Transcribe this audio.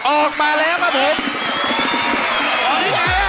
ออกมาแล้วครับผม